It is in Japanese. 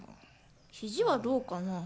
肘はどうかな？